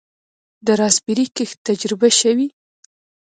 د راسبیري کښت تجربه شوی؟